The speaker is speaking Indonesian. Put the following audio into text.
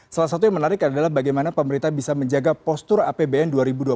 salah satu yang menarik adalah bagaimana pemerintah bisa menjaga postur apbn dua ribu dua puluh